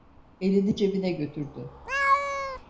Elini cebine götürdü.